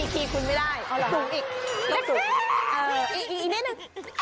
คีย์คุณไม่ได้ตรงอีกอีกนิดหนึ่ง